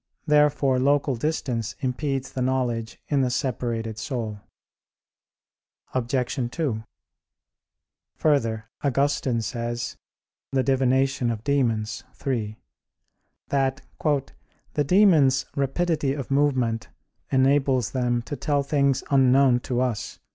Therefore local distance impedes the knowledge in the separated soul. Obj. 2: Further, Augustine says (De Divin. Daemon. iii), that "the demons' rapidity of movement enables them to tell things unknown to us."